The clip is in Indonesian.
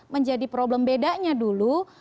menjadi problem bedanya dulu